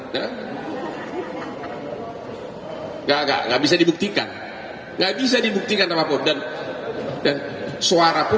enggak enggak enggak bisa dibuktikan nggak bisa dibuktikan apapun dan dan suara pun